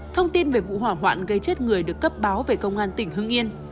thông tin về vụ hỏa hoạn gây chết người được cấp báo về công an tỉnh hưng yên